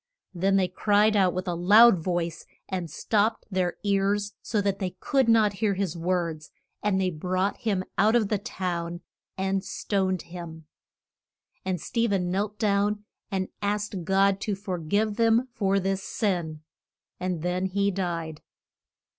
Then they cried out with a loud voice, and stopped their ears so that they could not hear his words; and they brought him out of the town, and stoned him. [Illustration: THE AS CEN SION TO HEAV EN.] And Ste phen knelt down, and asked God to for give them for this sin. And then he died.